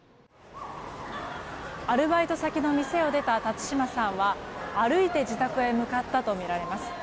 アルバイト先の店を出た辰島さんは歩いて自宅へ向かったとみられます。